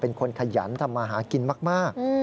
เป็นคนขยันทำมาหากินมาก